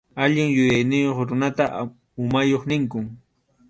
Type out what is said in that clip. Allin yuyayniyuq runata umayuq ninkum.